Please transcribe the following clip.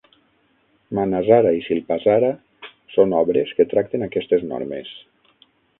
Manasara i Silpasara són obres que tracten aquestes normes.